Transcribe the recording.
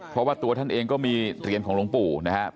เพราะว่าตัวท่านเองก็มีเหรียญของหลวงปู่นะครับ